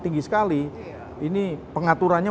tinggi sekali ini pengaturannya